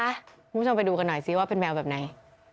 คุณผู้ชมไปดูกันหน่อยสิว่าเป็นแมวแบบไหน